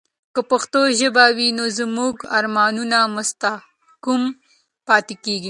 که پښتو ژبه وي، نو زموږ ارمانونه مستحکم پاتې کیږي.